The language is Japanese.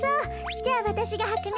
じゃあわたしがはくね。